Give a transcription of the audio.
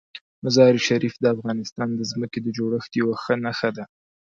مزارشریف د افغانستان د ځمکې د جوړښت یوه ښه نښه ده.